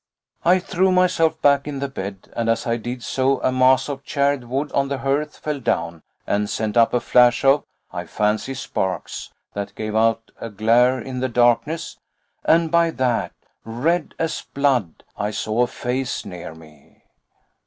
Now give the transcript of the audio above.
I threw myself back in the bed, and as I did so a mass of charred wood on the hearth fell down and sent up a flash of I fancy sparks, that gave out a glare in the darkness, and by that red as blood I saw a face near me.